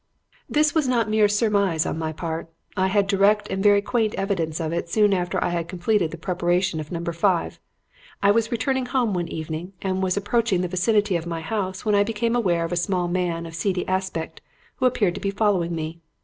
"This was not mere surmise on my part. I had direct and very quaint evidence of it soon after I had completed the preparation of Number Five. I was returning home one evening and was approaching the vicinity of my house when I became aware of a small man of seedy aspect who appeared to be following me.